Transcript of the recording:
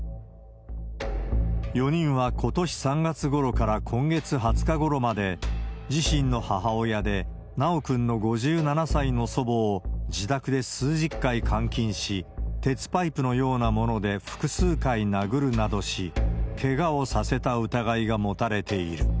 ４人はことし３月ごろから今月２０日ごろまで、自身の母親で修くんの５７歳の祖母を、自宅で数十回監禁し、鉄パイプのようなもので複数回殴るなどし、けがをさせた疑いが持たれている。